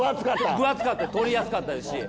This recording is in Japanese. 分厚かった取りやすかったですし。